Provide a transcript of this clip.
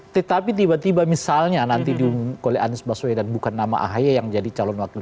tetapi tiba tiba misalnya nanti diumumkan oleh anies baswedan bukan nama ahy yang jadi calon wakil